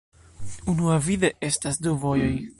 Unuavide estas du vojoj.